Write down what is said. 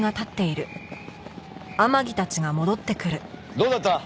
どうだった？